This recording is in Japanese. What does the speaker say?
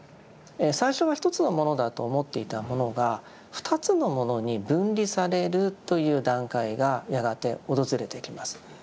最初は１つのものだと思っていたものが２つのものに分離されるという段階がやがて訪れてきます。